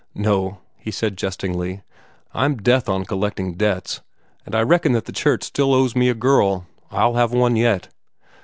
"No," he said jestingly. "I'm death on collecting debts; and I reckon that the church still owes me a girl. I'll have one yet."